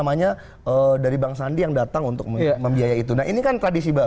mbak albas sudah datang katanya